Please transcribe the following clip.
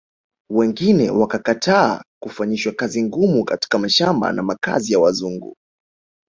Wengine wakakataa kufanyishwa kazi ngumu katika mashamba na makazi ya Wazungu